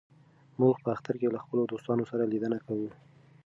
موږ په اختر کې له خپلو دوستانو سره لیدنه کوو.